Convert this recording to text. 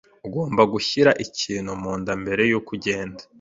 Ugomba gushyira ikintu munda mbere yuko ugenda.